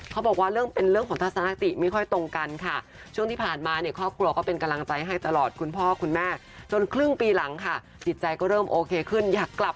เขาบอกว่าเป็นเรื่องของทัศนติไม่ค่อยตรงกันค่ะ